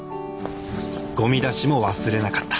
ごみ出しも忘れなかった